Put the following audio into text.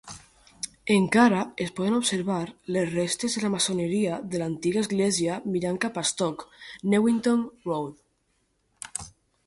Encara es poden observar les restes de la maçoneria de l'antiga església mirant cap a Stoke Newington Road.